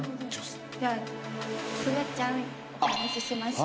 じゃあすがちゃんお話ししましょうか。